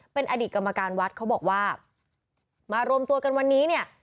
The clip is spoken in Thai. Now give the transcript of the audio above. เป็นอดีตกรรมการวัดเขาบอกว่ามารวมตัวกันวันนี้เนี่ย